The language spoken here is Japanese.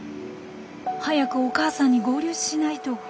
早くお母さんに合流しないと。